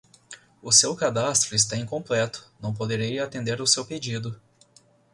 O seu cadastro está incompleto, não poderei atender o seu pedido.